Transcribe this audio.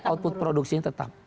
tapi output produksi tetap